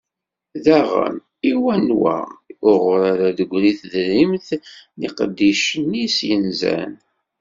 Daɣen, i wanwa uɣur ara d-teggri tedrimt n yiqeddicen-is yenzan?